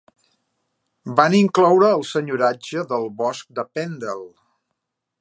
Van incloure el senyoratge del bosc de Pendle.